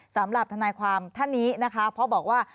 สำหรับทนายความท่านนี้นะคะเพราะบอกว่า